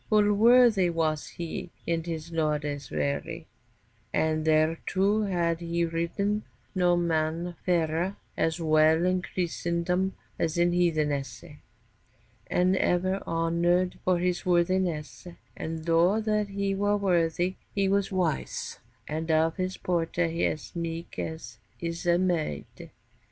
Ful worthy was he in his lordes werre, l And therto had he riden, no man ferre, ^ As wel in cristendom as in hethenesse, And ever honoured for his worthy nesse — And though that he were worthy, he was wys, And othis porte as meeke as is a mayde.